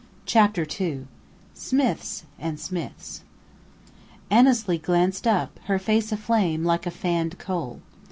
CHAPTER II SMITHS AND SMITHS Annesley glanced up, her face aflame, like a fanned coal.